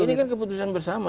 ini kan keputusan bersama